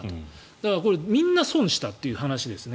だから、みんな損したという話ですね。